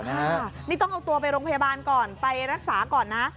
นี่ต้องเอาตัวไปโรงพยาบาลก่อนไปรักษาก่อนนะ